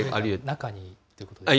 中にということですか？